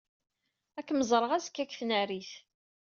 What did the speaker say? Ad kem-ẓreɣ azekka deg tnarit.